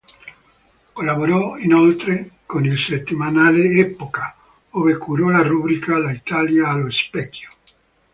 Collaborò, inoltre, con il settimanale Epoca ove curò la rubrica "L'Italia allo specchio".